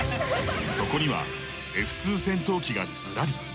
そこにはＦ−２戦闘機がずらり。